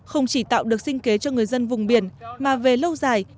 không chỉ tạo được sinh kế cho người dân vùng biển mà về lâu dài